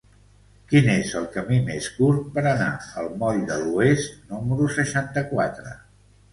Quin és el camí més curt per anar al moll de l'Oest número seixanta-quatre?